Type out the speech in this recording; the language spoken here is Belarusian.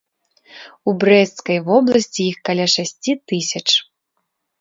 У брэсцкай вобласці іх каля шасці тысяч.